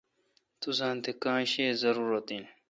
توساں تہ کاں شیہ زاروت این۔